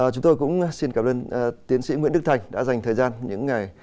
chúng tôi cũng xin cảm ơn tiến sĩ nguyễn đức thành đã dành thời gian những ngày